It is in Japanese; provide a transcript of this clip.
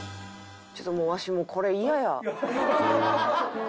ちょっともうわしこれ嫌や。